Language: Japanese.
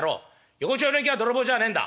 横町の隠居は泥棒じゃねえんだ」。